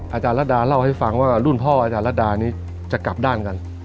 อาจารย์รัฐดาเล่าให้ฟังว่ารุ่นพ่ออาจารย์รัดดานี้จะกลับด้านกัน